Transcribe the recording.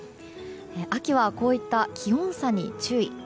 秋はこういった気温差に注意。